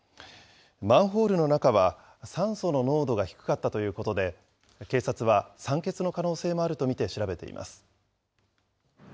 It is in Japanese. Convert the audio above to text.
マンホールの中は酸素の濃度が低かったということで、警察は酸欠の可能性もあると見て調べています。